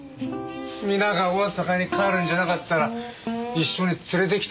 皆が大阪に帰るんじゃなかったら一緒に連れてきたんですけど。